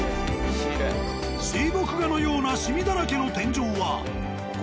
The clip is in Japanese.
水墨画のようなシミだらけの天井は。